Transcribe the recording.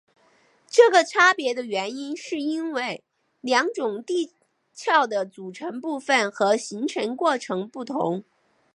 这个差别的原因是因为两种地壳的组成部分和形成过程不同。